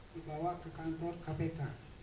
dibawa ke kantor kpk